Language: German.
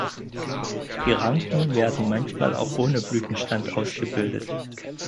Die Ranken werden manchmal auch ohne Blütenstand ausgebildet.